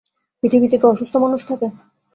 পৃথিবীতে কি অসুস্থ মানুষ থাকে।